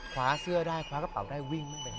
คว้าเสื้อได้คว้ากระเป๋าได้วิ่งขึ้นไป